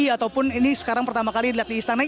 ataupun ini sekarang pertama kali dilihat di istana